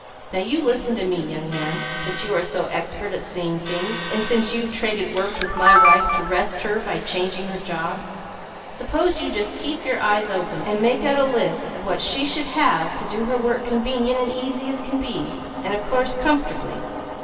Now you listen to me young man. Since you are so expert at seeing things, and since you've traded work with my wife, to rest her by changing her job, suppose you just keep your eyes open, and make out a list of what she should have to do her work convenient and easy as can be, and of course, comfortably.